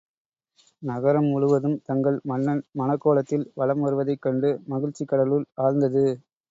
நகரம் முழுவதும் தங்கள் மன்னன் மணக்கோலத்தில் வலம் வருவதைக் கண்டு மகிழ்ச்சிக் கடலுள் ஆழ்ந்தது.